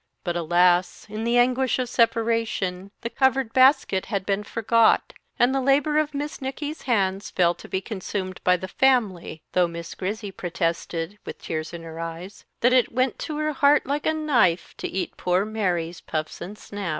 But alas! in the anguish of separation, the covered basket had been forgot, and the labour of Miss Nicky's hands fell to be consumed by the family, though Miss Grizzy protested, with tears in her eyes, "that it went to her heart like a knife to eat poor Mary's puffs and snaps."